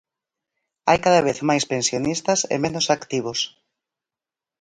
Hai cada vez máis pensionistas e menos activos.